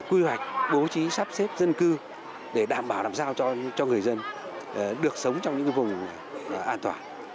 quy hoạch bố trí sắp xếp dân cư để đảm bảo làm sao cho người dân được sống trong những vùng an toàn